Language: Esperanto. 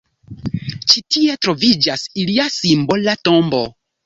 Ĉi tie troviĝas ilia simbola tombo.